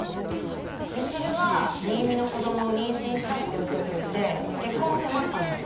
みちるは新見の子供を妊娠したって嘘ついて結婚を迫ったんだよ。